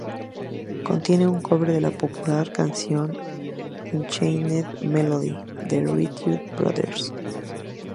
Contiene un cover de la popular canción "Unchained Melody", de Righteous Brothers.